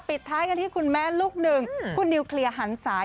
ปิดท้ายกันที่คุณแม่ลูกหนึ่งคุณนิวเคลียร์หันสาย